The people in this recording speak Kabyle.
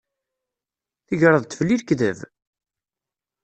Tegreḍ-d fell-i lekdeb?